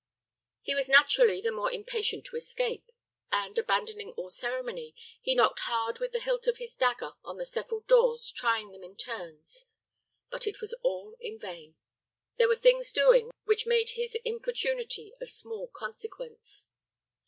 He was naturally the more impatient to escape; and, abandoning all ceremony, he knocked hard with the hilt of his dagger on the several doors, trying them in turns. But it was all in vain. There were things doing which made his importunity of small consequence.